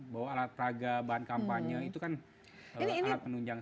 bahwa alat peraga bahan kampanye itu kan alat penunjang